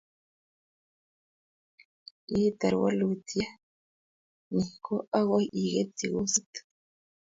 Yeitar walutiet ni, ko akoi iketchi kosit